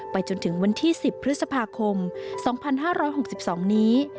จนถึงวันที่๑๐พฤษภาคม๒๕๖๒นี้